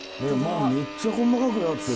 めっちゃ細かくなってる。